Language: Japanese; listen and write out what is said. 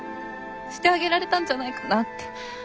してあげられたんじゃないかなって。